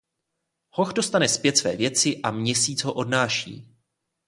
Hoch dostane zpět své věci a Měsíc ho odnáší.